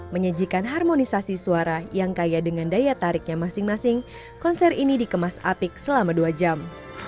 menyajikan harmonisasi suara yang kaya dengan daya tariknya masing masing konser ini dikemas apik selama dua jam